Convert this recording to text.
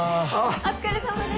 お疲れさまです。